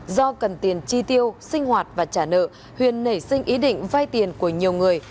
do cần tiền chi tiêu sinh hoạt và trả nợ huyền nảy sinh ý định vay tiền của nhiều người